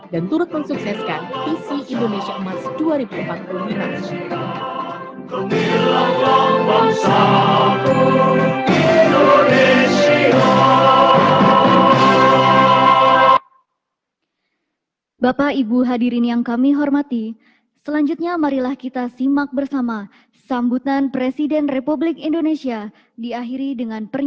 dan turut mensukseskan visi indonesia mars dua ribu empat puluh lima